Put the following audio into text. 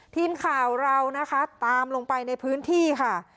ทีมข่าวเรานะคะตามลงไปในพื้นที่ค่ะ